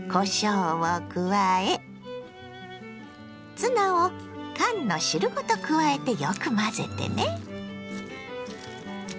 ツナを缶の汁ごと加えてよく混ぜてね。